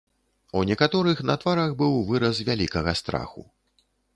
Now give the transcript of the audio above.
У некаторых на тварах быў выраз вялікага страху.